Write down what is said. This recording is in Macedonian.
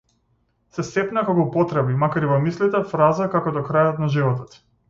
Се сепна кога употреби, макар и во мислите, фраза како до крајот на животот.